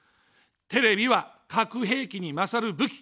テレビは核兵器に勝る武器。